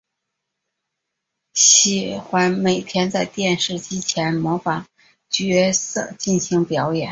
喜欢每天在电视机前模仿角色进行表演。